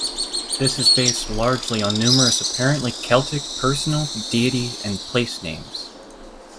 This is based largely on numerous apparently Celtic personal, deity, and place names.